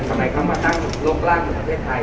สมัยเขามาตั้งโลกราชประเทศไทย